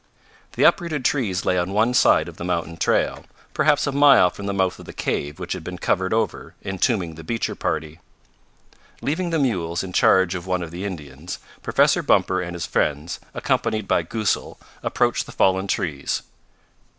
The uprooted trees lay on one side of the mountain trail, perhaps a mile from the mouth of the cave which had been covered over, entombing the Beecher party. Leaving the mules in charge of one of the Indians, Professor Bumper and his friends, accompanied by Goosal, approached the fallen trees.